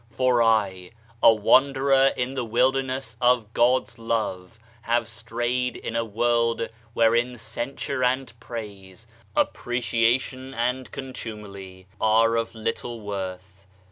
For I, a wanderer in the wilderness of God's love, have strayed in a world wherein censure and praise, appreciation and contumely are of little worth.